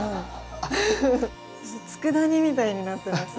つくだ煮みたいになってます。